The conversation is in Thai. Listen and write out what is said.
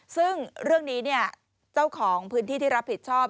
ซึ่งเรื่องนี้เจ้าของพื้นที่ที่รับผิดชอบ